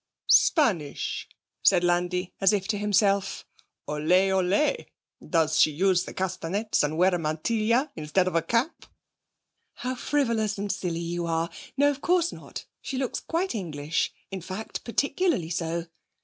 'Spanish?' said Landi, as if to himself. 'Olé! olé! Does she use the castanets, and wear a mantilla instead of a cap?' 'How frivolous and silly you are. No, of course not. She looks quite English, in fact particularly so.'